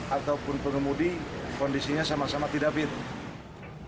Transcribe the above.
selain kelalaian pengemudi kondisi bus juga dalam kondisi tidak layak jalan